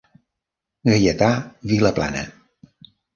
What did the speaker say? Gaietà Vilaplana.